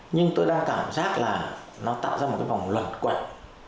nhưng tôi đang cảm giác là nó tạo ra một cái vòng luẩn quẩy